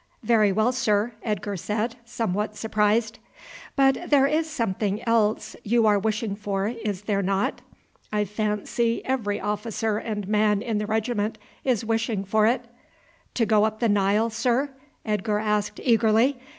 "Very well, sir," Edgar said, somewhat surprised. "But there is something else you are wishing for, is there not? I fancy every officer and man in the regiment is wishing for it." "To go up the Nile, sir?" Edgar said eagerly.